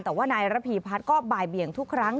แต่ว่านายระพีพัฒน์ก็บ่ายเบียงทุกครั้ง